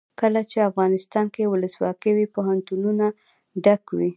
کله چې افغانستان کې ولسواکي وي پوهنتونونه ډک وي.